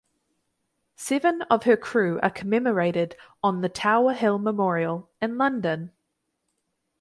Seven of her crew are commemorated on the Tower Hill Memorial in London.